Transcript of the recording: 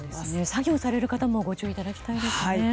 作業される方もご注意いただきたいですね。